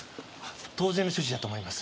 当然の処置だと思います。